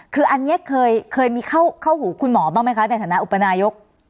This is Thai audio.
คืออันนี้เคยมีเข้าหูคุณหมอบ้างไหมคะในฐานะอุปนายก